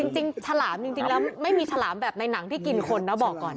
ฉลามจริงแล้วไม่มีฉลามแบบในหนังที่กินคนนะบอกก่อน